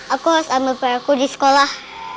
aku harus ambil perakku di sekolah